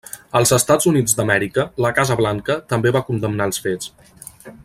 Als Estats Units d'Amèrica, la Casa Blanca també va condemnar els fets.